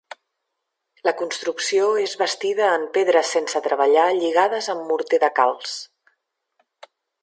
La construcció és bastida en pedres sense treballar lligades amb morter de calç.